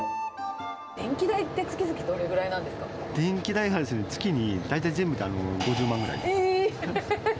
電気代って、月々どれぐらい電気代が月に、大体全部で５０万ぐらい。